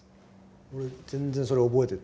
俺全然それ覚えてて。